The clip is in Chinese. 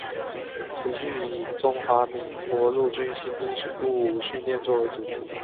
此剧以中华民国陆军新兵入伍训练作为主题。